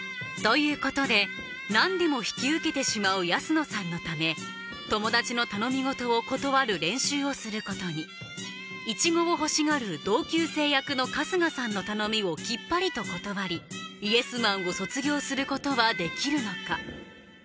ということで何でも引き受けてしまう安野さんのため友達の頼み事を断る練習をすることにイチゴをほしがる同級生役の春日さんの頼みをきっぱりと断りイエスマンを卒業することはできるのか？